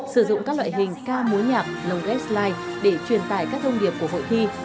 sử dụng các loại hình ca mối nhạc lồng ghép slide để truyền tài các thông điệp của hội thi